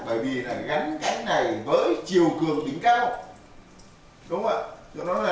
bởi vì là gắn cánh này với chiều cường tính cao đúng ạ